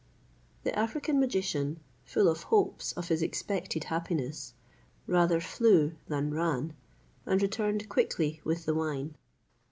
The African magician, full of hopes of his expected happiness, rather flew than ran, and returned quickly with the wine.